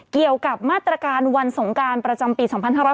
เกี่ยวกับมาตรการวันสงการประจำปี๒๕๖๐